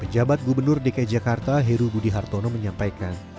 pejabat gubernur dki jakarta heru budi hartono menyampaikan